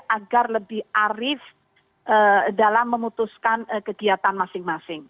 agar lebih arif dalam memutuskan kegiatan masing masing